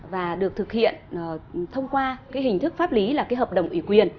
và được thực hiện thông qua cái hình thức pháp lý là cái hợp đồng ủy quyền